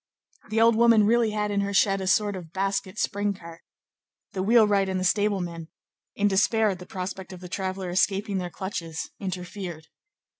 The old woman really had in her shed a sort of basket spring cart. The wheelwright and the stable man, in despair at the prospect of the traveller escaping their clutches, interfered.